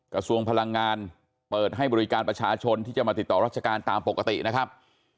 กระทรวงพลังงานเปิดให้บริการประชาชนที่จะมาติดต่อราชการตามปกตินะครับ